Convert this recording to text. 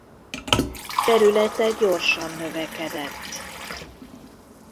Területe gyorsan növekedett.